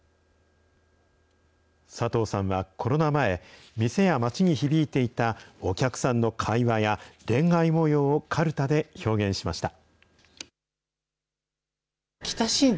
佐藤さんはコロナ前、店や街に響いていたお客さんの会話や、恋愛もようをかるたで表現しました。